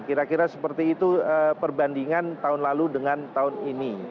kira kira seperti itu perbandingan tahun lalu dengan tahun ini